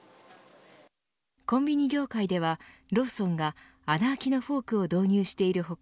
コンビニ業界ではローソンが穴あきのフォークを導入している他